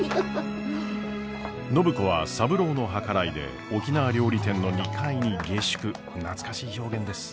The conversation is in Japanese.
暢子は三郎の計らいで沖縄料理店の２階に下宿懐かしい表現です。